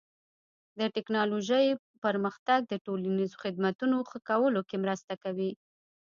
د ټکنالوژۍ پرمختګ د ټولنیزو خدمتونو ښه کولو کې مرسته کوي.